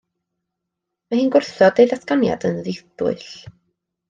Mae hi'n gwrthod ei ddatganiad yn ddidwyll.